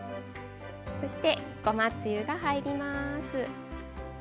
そして、ごまつゆが入ります。